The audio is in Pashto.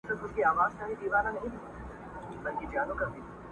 ويل درې مياشتي چي كړې مي نشه ده!!